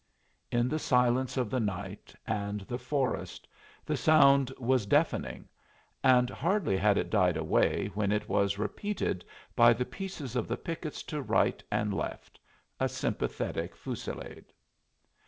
In the silence of the night and the forest the sound was deafening, and hardly had it died away when it was repeated by the pieces of the pickets to right and left, a sympathetic fusillade.